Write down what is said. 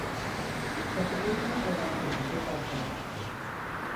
Kapıyı her zamanki gibi Fatma açtı.